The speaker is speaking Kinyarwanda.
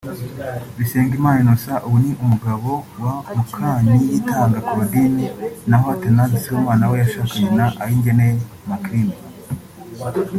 Bisengimana Innocent ubu ni umugabo wa Mukaniyitanga Claudine naho Athanase Sibomana we yashakanye na Ayingeneye Macrine